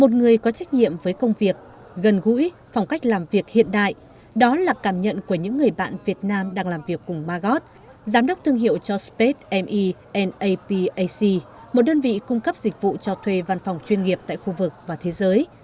một người có trách nhiệm với công việc gần gũi phong cách làm việc hiện đại đó là cảm nhận của những người bạn việt nam đang làm việc cùng magot giám đốc thương hiệu cho space menapac một đơn vị cung cấp dịch vụ cho thuê văn phòng chuyên nghiệp tại khu vực và thế giới